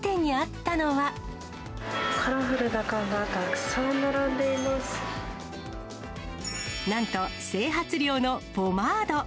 カラフルな缶がたくさん並んなんと整髪料のポマード。